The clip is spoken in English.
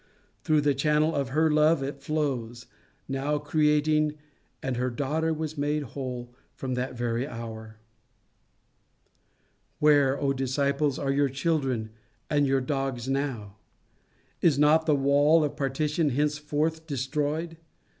Through the channel of her love it flows, new creating, "and her daughter was made whole from that very hour." Where, O disciples, are your children and your dogs now? Is not the wall of partition henceforth destroyed?